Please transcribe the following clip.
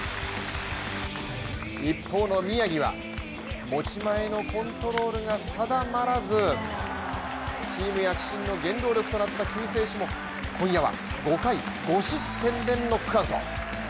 一方の宮城は持ち前のコントロールが定まらず、チーム躍進の原動力となった救世主も今夜は５回５失点でノックアウト。